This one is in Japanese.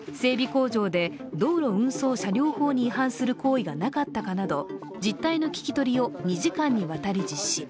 工場で道路運送車両法に違反する行為がなかったかなど実態の聞き取りを２時間にわたり実施。